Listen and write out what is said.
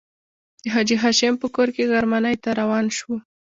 د حاجي هاشم په کور کې غرمنۍ ته روان شوو.